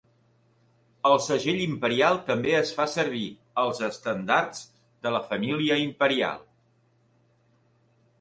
El segell imperial també es fa servir al estendards de la família imperial.